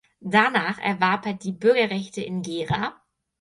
Danach erwarb er die Bürgerrechte in Gera.